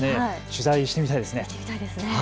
取材してみたいですね。